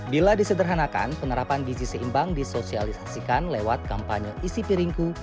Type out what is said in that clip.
bila disederhanakan penerapan gizi seimbang disosialisasikan lewat kampanye isi piringku